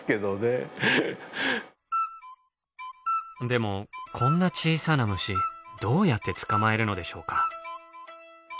でもこんな小さな虫どうやって捕まえるのでしょうか？